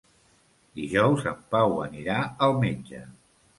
Dijous en Pau anirà al metge.